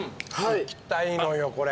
行きたいのよこれ。